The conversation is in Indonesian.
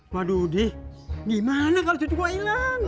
waduh deh gimana kalau cucu gue hilang